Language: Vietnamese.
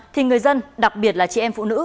thì người dân đặc biệt là chị em phụ nữ